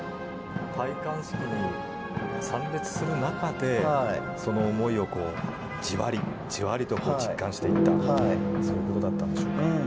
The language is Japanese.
戴冠式に参列する中でその思いをじわりじわりと実感していったということだったんでしょうか。